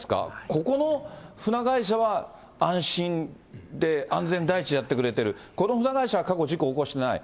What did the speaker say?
ここの船会社は安心で安全第一でやってくれている、この船会社は過去、事故起こしてない。